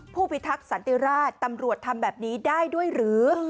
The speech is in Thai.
พิทักษ์สันติราชตำรวจทำแบบนี้ได้ด้วยหรือ